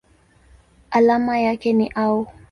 Alama yake ni Au.